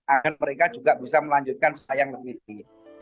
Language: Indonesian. agar mereka juga bisa melanjutkan seayang layang ini